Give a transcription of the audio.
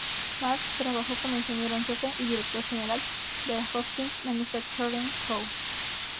Marsh trabajó como Ingeniero en Jefe y Director General de la "Hoskins Manufacturing Co.